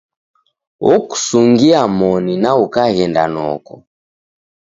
Okusungia moni, na ukaghenda noko.